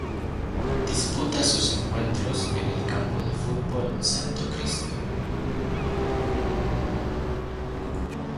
Disputa sus encuentros en el Campo de Fútbol Santo Cristo.